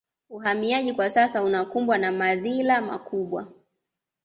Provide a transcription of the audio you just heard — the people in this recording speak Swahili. Uhamiaji kwa sasa unakumbwa na madhila makubwa